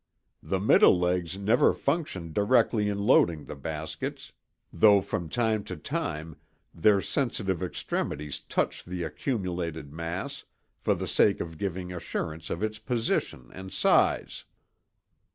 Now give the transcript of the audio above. The middle legs never function directly in loading the baskets, though from time to time their sensitive extremities touch the accumulated mass, for the sake of giving assurance of its position and size."